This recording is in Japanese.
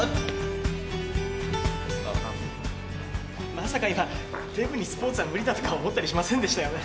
まさか今デブにスポーツは無理だとか思ったりしませんでしたよね？